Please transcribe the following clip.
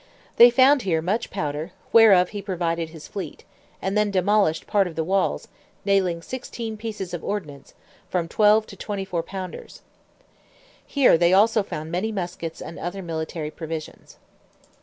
They found here much powder, whereof he provided his fleet, and then demolished part of the walls, nailing sixteen pieces of ordnance, from twelve to twenty four pounders. Here they also found many muskets and other military provisions.